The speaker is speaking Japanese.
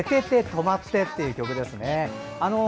とまって！」という曲ですね。